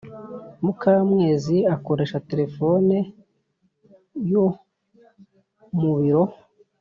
mukamwezi akoresha telefoni yo mubiro